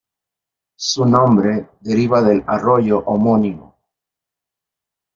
Su nombre deriva del arroyo homónimo.